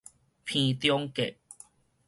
鼻中隔